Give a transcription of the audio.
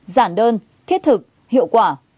giản đơn thiết thực hiệu quả